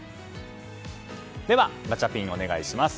ではガチャピンお願いします。